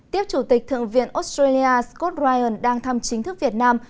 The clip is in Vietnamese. tiếp chủ tịch thượng viện australia scott ryan đang thăm chính thức việt nam